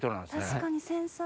確かに繊細。